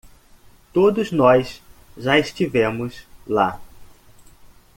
Todos nós já estivemos lá.